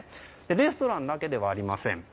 レストランだけではありません。